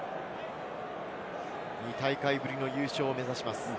２大会ぶりの優勝を目指します。